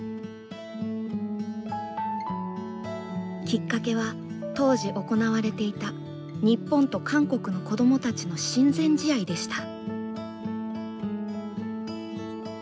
きっかけは当時行われていた日本と韓国の子どもたちの親善試合でした。